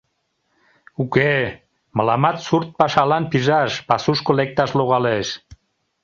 Уке, мыламат сурт пашалан пижаш, пасушко лекташ логалеш.